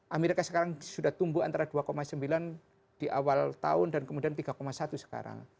amerika sekarang sudah tumbuh antara dua sembilan di awal tahun dan kemudian tiga satu sekarang